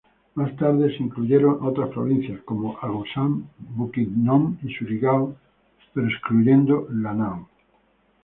Más tarde se incluyeron otras provincias como Agusan, Bukidnon y Surigao pero excluyendo Lanao.